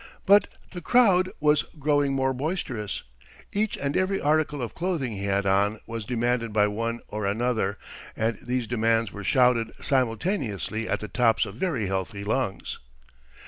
But the crowd was growing more boisterous. Each and every article of clothing he had on was demanded by one or another, and these demands were shouted simultaneously at the tops of very healthy lungs.